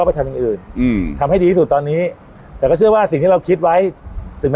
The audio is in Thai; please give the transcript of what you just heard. เพราะทีมของเราก็มีเด็กรุ่นใหม่